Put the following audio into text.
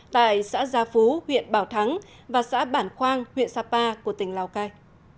tại xã gia phú huyện bảo thắng và xã bản khoang huyện sapa của tỉnh lào cai